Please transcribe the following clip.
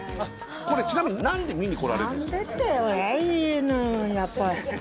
これちなみに何で見に来られるんですか？